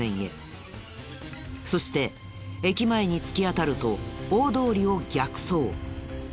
そして駅前に突き当たると大通りを逆走。